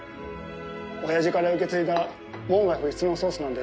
親父から受け継いだ門外不出のソースなんです。